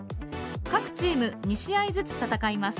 各チーム２試合ずつ戦います。